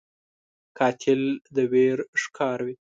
قاتل د ویر ښکاروي